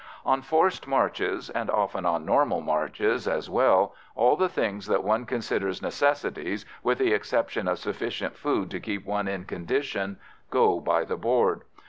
On forced marches, and often on normal marches as well, all the things that one considers necessities with the exception of sufficient food to keep one in condition go by the board.